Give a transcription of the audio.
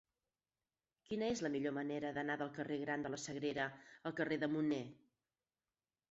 Quina és la millor manera d'anar del carrer Gran de la Sagrera al carrer de Munner?